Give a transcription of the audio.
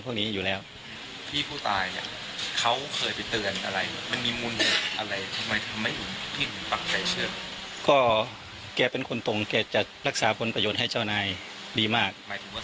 ก็แกเป็นคนตรงแกจะรักษ์หดประโยชน์ให้เจ้านายดีมาก